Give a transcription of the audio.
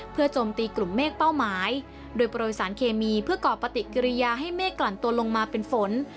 โจมตีกลุ่มเมฆเป้าหมายโดยโปรยสารเคมีเพื่อก่อปฏิกิริยาให้เมฆกลั่นตัวลงมาเป็นฝน